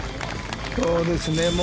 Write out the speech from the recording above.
そうですね。